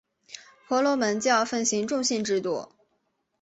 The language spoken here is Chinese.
婆罗门教奉行种姓制度。